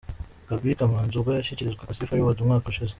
Gaby Kamanzi ubwo yashyikirizwaga Sifa Reward umwaka ushize.